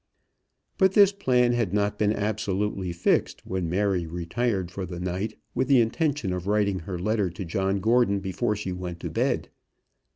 But this plan had not been absolutely fixed when Mary retired for the night, with the intention of writing her letter to John Gordon before she went to bed.